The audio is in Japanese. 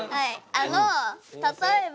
あの例えば。